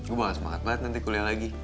gua banget semangat banget nanti kuliah lagi